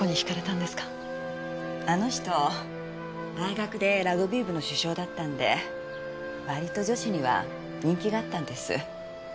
あの人大学でラグビー部の主将だったんで割と女子には人気があったんです。